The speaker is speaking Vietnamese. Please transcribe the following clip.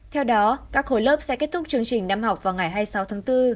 theo đó các khối lớp sẽ kết thúc chương trình năm học vào ngày hai mươi sáu tháng bốn